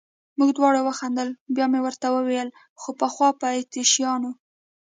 موږ دواړو وخندل، بیا مې ورته وویل: خو پخوا به اتریشیانو.